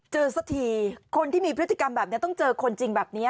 สักทีคนที่มีพฤติกรรมแบบนี้ต้องเจอคนจริงแบบนี้